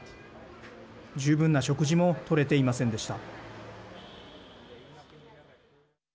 十分な食事も取れていませんでした。